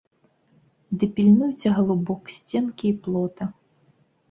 Ды пільнуйце, галубок, сценкі і плота.